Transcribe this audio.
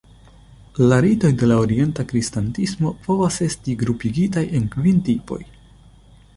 La ritoj de la Orienta Kristanismo povas esti grupigitaj en kvin tipoj.